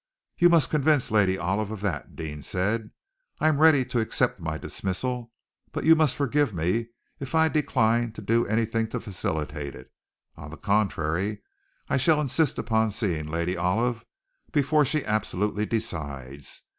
"You must convince Lady Olive of that," Deane said. "I am ready to accept my dismissal, but you must forgive me if I decline to do anything to facilitate it. On the contrary, I shall insist upon seeing Lady Olive before she absolutely decides.